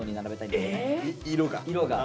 色が。